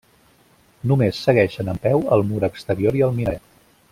Només segueixen en peu el mur exterior i el minaret.